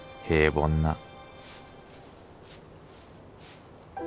平凡な？